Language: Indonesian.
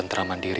melihat nih dwara